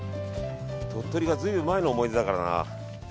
鳥取は随分前の思い出だからな。